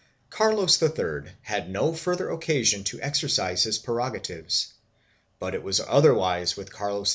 2 Carlos III had no further occasion to exercise his prerogatives but it was otherwise with Carlos IV.